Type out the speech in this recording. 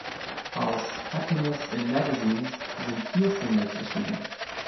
Aus „Happiness in Magazines“ sind vier Singles erschienen.